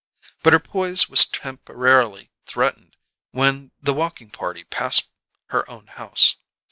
But her poise was temporarily threatened when the walking party passed her own house.